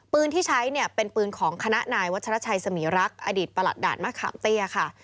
ที่ใช้เนี่ยเป็นปืนของคณะนายวัชรชัยสมีรักษ์อดีตประหลัดด่านมะขามเตี้ยค่ะ